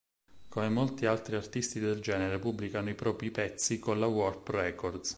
Come molti altri artisti del genere pubblicano i propri pezzi con la Warp Records.